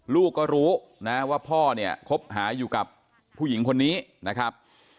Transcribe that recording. ลูกก็รู้นะว่าพ่อเนี่ยคบหาอยู่กับผู้หญิงคนนี้นะครับ